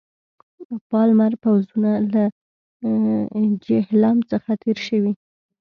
پالمر پوځونه له جیهلم څخه تېر شوي.